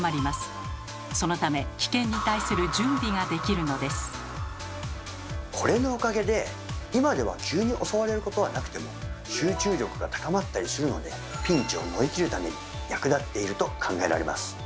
そのためこれのおかげで今では急に襲われることはなくても集中力が高まったりするのでピンチを乗り切るために役立っていると考えられます。